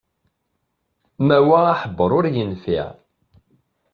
Mawa aḥebber ur yenfiɛ.